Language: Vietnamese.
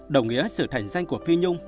đồng nghĩa sự thành danh của phi nhung